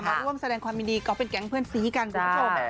มาร่วมแสดงความยินดีก็เป็นแก๊งเพื่อนซีกันคุณผู้ชม